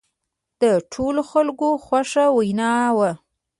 د ټولو خلکو خوښه وینا وه.